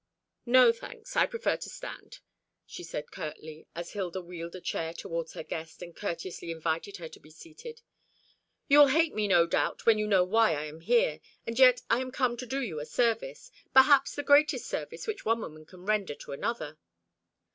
No, thanks; I prefer to stand," she said curtly, as Hilda wheeled a chair towards her guest, and courteously invited her to be seated. "You will hate me, no doubt, when you know why I am here; and yet I am come to do you a service perhaps the greatest service which one woman can render to another."